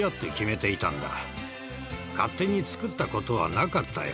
勝手に作ったことはなかったよ。